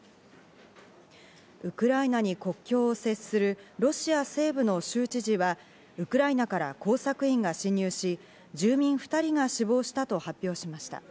ウクライナに国境を接するロシア西部の州知事は、ウクライナから工作員が侵入し、住民２人が死亡したと発表しました。